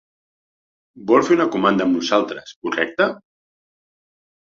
Vol fer una comanda amb nosaltres, correcte?